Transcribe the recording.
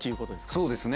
そうですね。